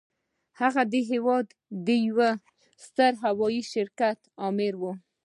هغه د هېواد د يوه ستر هوايي شرکت آمر و.